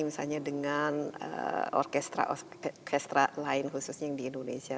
misalnya dengan orkestra orkestra lain khususnya yang di indonesia